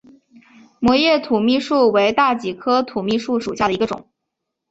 膜叶土蜜树为大戟科土蜜树属下的一个种。